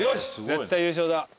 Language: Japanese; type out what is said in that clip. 絶対優勝だ。